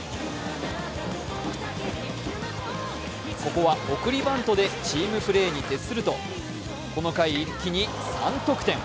ここは送りバントでチームプレーに徹するとこの回、一気に３得点。